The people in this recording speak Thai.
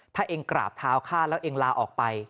ถ้าเองกราบเท้าฆ่าแล้วเองลาออกไป